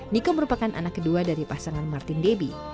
niko merupakan anak kedua dari pasangan martin debbie